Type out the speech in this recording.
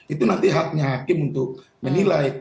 itu nanti haknya hakim untuk menilai